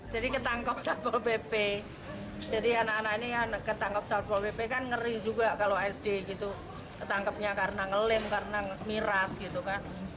jadi ketangkep satpol pp jadi anak anak ini ketangkep satpol pp kan ngeri juga kalau sd gitu ketangkepnya karena ngelem karena miras gitu kan